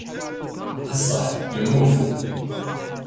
D ṣṣeḥḥ, yemmut.